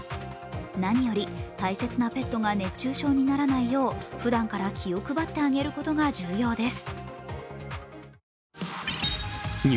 何より大切なペットが熱中症にならないようふだんから気を配ってあげることが重要です。